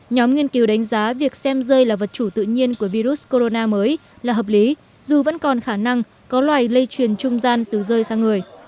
nhóm nghiên cứu đánh giá việc xem rơi là vật chủ tự nhiên của virus corona mới là hợp lý dù vẫn còn khả năng có loài lây truyền trung gian từ rơi sang người